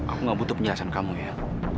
aku gak butuh penjelasan kamu ya